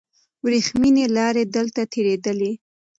وریښمینې لارې دلته تېرېدلې.